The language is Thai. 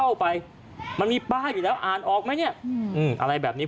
ว่ามีป้าอยู่แล้วอ่านออกไหมเอิ่มอะไรแบบนี้